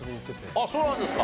あっそうなんですか。